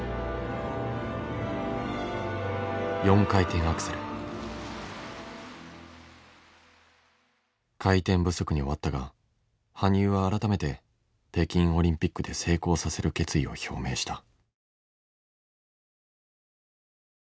回転不足に終わったが羽生は改めて北京オリンピックで成功させる決意を表明した。